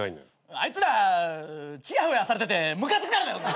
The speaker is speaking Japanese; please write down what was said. あいつらちやほやされててムカつくからだよ！